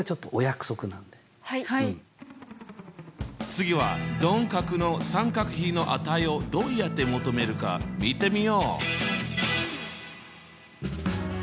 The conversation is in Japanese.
次は鈍角の三角比の値をどうやって求めるか見てみよう！